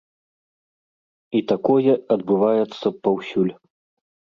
І такое адбываецца паўсюль.